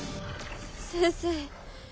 先生。